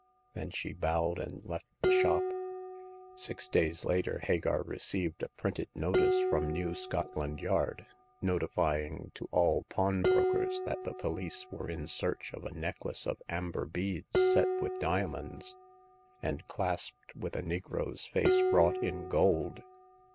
Then she bowed and left the shop. Six days later Hagar received a printed notice from New Scotland Yard, notifying to all pawn brokers that the police were in search of a neck lace of amber beads set with diamonds, and clasped with a negro's face wrought in gold.